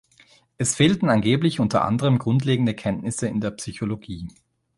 Es fehlten angeblich unter anderem grundlegende Kenntnisse in der Psychologie.